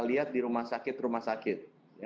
lihat di rumah sakit rumah sakit